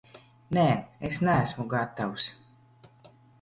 Nē, es neesmu gatavs.